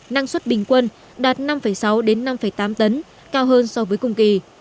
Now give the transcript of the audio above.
năng suất bình quân đạt năm sáu đến năm tám tấn cao hơn so với cùng kỳ